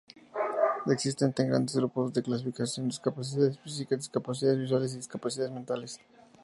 Existen tres grandes grupos de clasificación: discapacidades físicas, discapacidades visuales y discapacidades mentales.